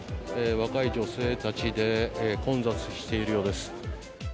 若い女性たちで混雑しているようです。